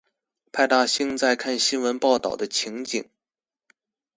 派大星在看新聞報導的情景